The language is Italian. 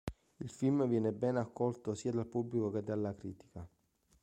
Il film viene ben accolto sia dal pubblico che dalla critica.